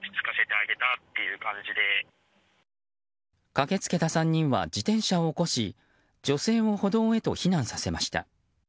駆けつけた３人は自転車を起こし女性を歩道へと避難させました。